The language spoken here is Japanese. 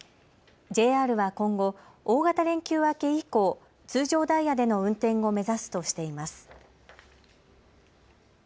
ＪＲは今後、大型連休明け以降、通常ダイヤでの運転を目指すとしています。